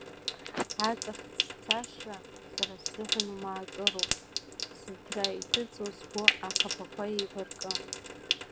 Аҵых ҵәцашра, сара сзыҳәан умаакыроуп, зыҭра иҭыҵуа сгәы ахаԥақәа еибаркы.